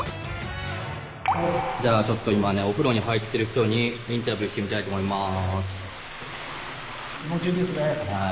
じゃあちょっと今ねお風呂に入ってる人にインタビューしてみたいと思います。